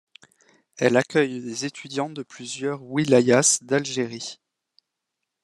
Elle accueille des étudiants de plusieurs wilayas d'Algérie.